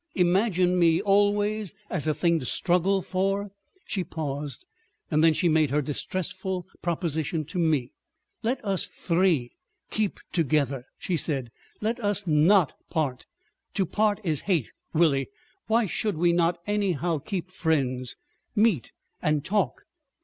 imagine me always as a thing to struggle for?" She paused; then she made her distressful proposition to me. "Let us three keep together," she said. "Let us not part. To part is hate, Willie. Why should we not anyhow keep friends? Meet and talk?"